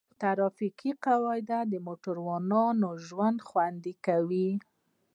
د ټرافیک قواعد د موټروانو ژوند خوندي کوي.